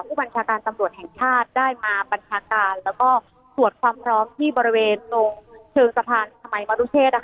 ผู้บัญชาการตำรวจแห่งชาติได้มาบัญชาการแล้วก็ตรวจความพร้อมที่บริเวณตรงเชิงสะพานชมัยมรุเชษ